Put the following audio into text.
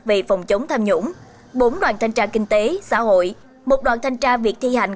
về phòng chống tham nhũng bốn đoàn thanh tra kinh tế xã hội một đoàn thanh tra việc thi hành